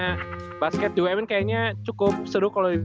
soalnya basket di wmn kayaknya cukup seru kalo di